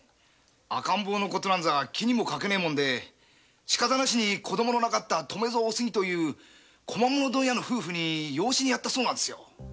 赤ん坊の事なんざ気にもかけないもんで仕方なしに子供のなかった留蔵お杉という小間物問屋の夫婦に養子にやったそうなんですよ。